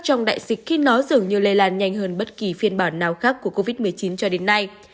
trong đại dịch khi nó dường như lây lan nhanh hơn bất kỳ phiên bản nào khác của covid một mươi chín cho đến nay